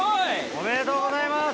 おめでとうございます。